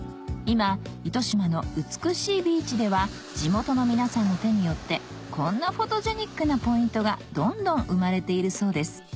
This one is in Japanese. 今糸島の美しいビーチでは地元の皆さんの手によってこんなフォトジェニックなポイントがどんどん生まれているそうです